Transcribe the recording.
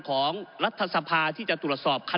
ก็ได้มีการอภิปรายในภาคของท่านประธานที่กรกครับ